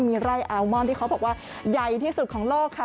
มีไร่อัลมอนที่เขาบอกว่าใหญ่ที่สุดของโลกค่ะ